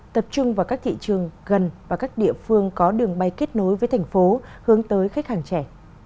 tập trung vào các thị trường gần và các địa phương có đường bay kết nối với thành phố hướng tới khách hàng trẻ